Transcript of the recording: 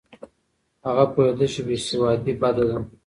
هغه پوهېده چې بې سوادي بده ده.